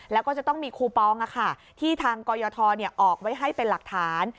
แล้วก็จะต้องมีคูปองที่ทางกรยทออกไว้ให้เป็นหลักฐาน